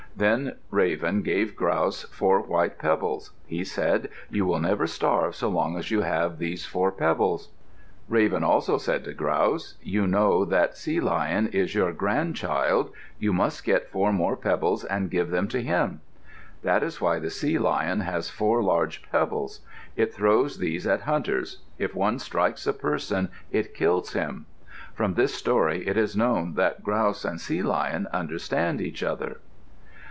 Then Raven gave Grouse four white pebbles. He said, "You will never starve so long as you have these four pebbles." Raven also said to Grouse, "You know that Sea lion is your grandchild. You must get four more pebbles and give them to him." That is why the sea lion has four large pebbles. It throws these at hunters. If one strikes a person, it kills him. From this story it is known that Grouse and Sea lion understand each other.